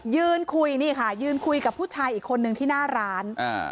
ยืนคุยนี่ค่ะยืนคุยกับผู้ชายอีกคนนึงที่หน้าร้าน